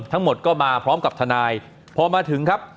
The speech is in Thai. ทั้งหมดก็มาพร้อมกับทนายพอมาถึงครับ